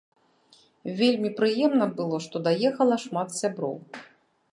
Вельмі прыемна было, што даехала шмат сяброў.